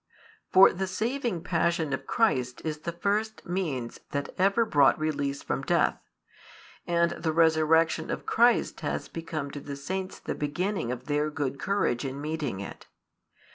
For the saving Passion of Christ is the first means that ever brought release from death, and the Resurrection of Christ has become to the saints the beginning of their good courage in meeting it.